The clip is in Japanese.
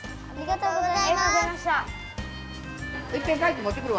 ありがとうございます。